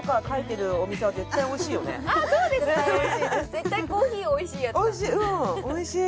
絶対コーヒーおいしいやつおいしい